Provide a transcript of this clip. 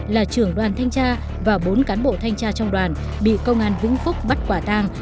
là trưởng đoàn thanh tra và bốn cán bộ thanh tra trong đoàn bị công an vĩnh phúc bắt quả tang